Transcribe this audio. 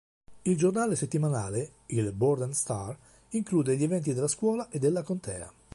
Il giornale settimanale, il "Borden Star", include gli eventi della scuola e della contea.